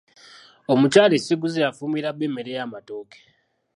Omukyala essiguze yafumbira bba emmere ya matooke.